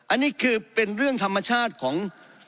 อันนี้คือเป็นเรื่องธรรมชาติของ